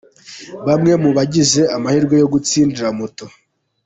Bamwe mu bagize amahirwe yo gutsindira Moto.